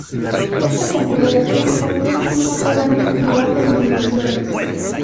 Esta configuración obtiene un motor ancho y bajo en dimensiones.